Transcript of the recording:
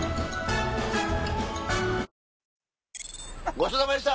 ごちそうさまでした！